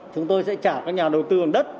chúng tôi sẽ trả các nhà đầu tư bằng đất